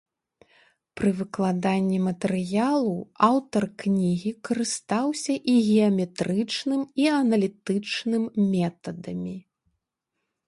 Пры выкладанні матэрыялу аўтар кнігі карыстаўся і геаметрычным, і аналітычным метадамі.